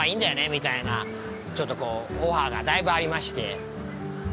みたいなちょっとこうオファーがだいぶありまして。